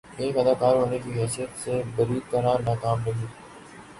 ایک اداکار ہونے کی حیثیت سے بری طرح ناکام رہی